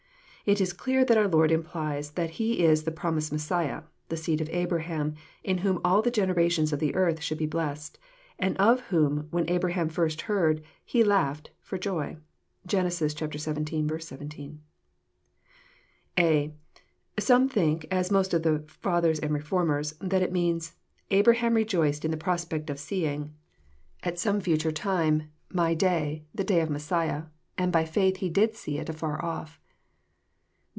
It is clear that our Lord implies that He Is the promised Messiah, the Seed of Abraham, in whom all the generations of the earth should be blessed, — and of whom when Abraham first heard, " he laughed " for joy. (Gen. xvii. 17.) (a) Some think, as most of the Fathers and Reformers, that it means, <* Abraham rejoiced in the prospect of seeing, at JOHN, CHAP, vni, 131 some Aitare time, My day, the day of Messiah ; and by faith he did see it afar off."